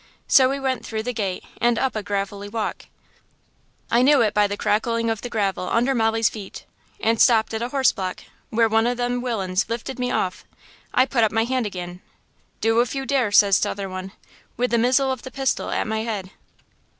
So we went through the gate and up a gravelly walk–I knew it by the crackling of the gravel under Molly's feet–and stopped at a horse block, where one o' them willains lifted me off. I put up my hand agin. "'Do if you dare!' says t'other one, with the mizzle o' the pistol at my head.